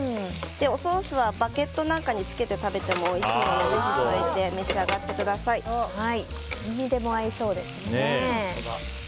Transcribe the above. ソースはバゲットなんかにつけて食べてもおいしいので何にでも合いそうですね。